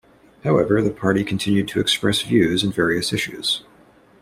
However the party continued to express views in various issues.